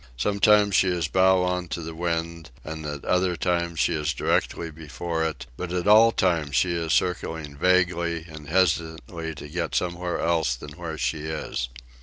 Sometimes she is bow on to the wind, and at other times she is directly before it; but at all times she is circling vaguely and hesitantly to get somewhere else than where she is.